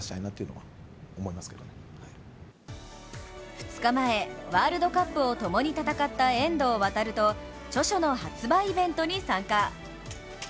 ２日前、ワールドカップをともに戦った遠藤航と著書の発売イベントに参加。